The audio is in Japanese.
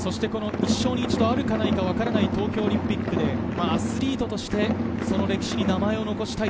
一生に一度あるかないか分からない東京オリンピックでアスリートとして、その歴史に名前を残したい。